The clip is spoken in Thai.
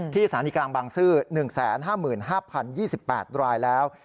สถานีกลางบางซื่อ๑๕๕๐๒๘รายแล้ว